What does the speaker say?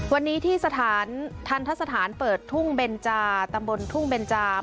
วันนี้ที่สถานทรัพย์สถานเปิดธุงเบื้นจาตำบลธุ่งเบื้นจาอเมิง